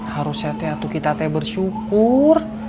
harusnya teh atu kita bersyukur